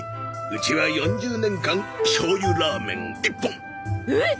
うちは４０年間しょうゆラーメン一本！おっ！？